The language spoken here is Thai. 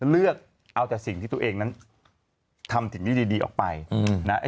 เลือกเอาแต่สิ่งที่ตัวเองนั้นทำสิ่งที่ดีออกไปนะ